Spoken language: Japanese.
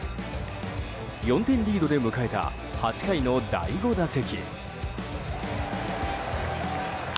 ４点リードで迎えた８回の第５打席。